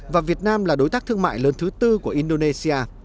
và việt nam là đối tác thương mại lớn thứ tư của indonesia